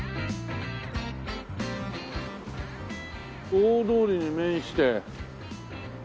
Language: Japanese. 大通りに面して。